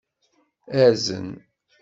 Azen.